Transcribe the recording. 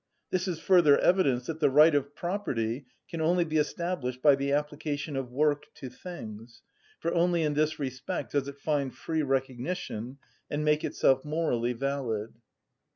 This is further evidence that the right of property can only be established by the application of work to things, for only in this respect does it find free recognition and make itself morally valid.